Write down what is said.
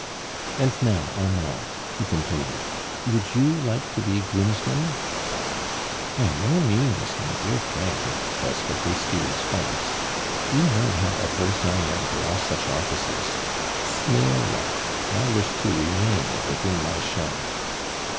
"And ndw. Armand." he continued; " would you like to be groomsman ?"" By no means, my dear friend !" was tiie hasty response. " Vou know how averse I am to all such offices. Snail like. I wish to remain within my shell."